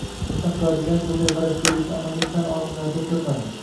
Xursand qiladigani, bunday g‘arazgo‘ylikni amaliy fan olimlarida ko‘rmadim.